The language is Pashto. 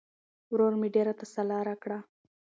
ورور مې ډېره تسلا راکړه.